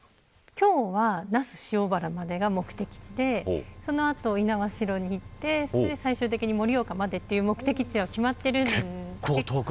今日は那須塩原までが目的地でその後、猪苗代に行って最終的に盛岡までという目的地は決まってるんですけど。